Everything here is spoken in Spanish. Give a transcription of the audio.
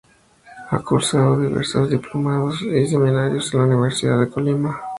Ha cursado diversos diplomados y seminarios en la Universidad de Colima.